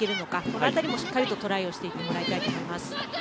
これからも、しっかりとトライをしていってもらいたいと思います。